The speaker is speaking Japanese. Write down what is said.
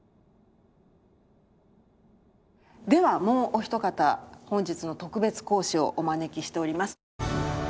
ではもうお一方本日の特別講師をお招きしております。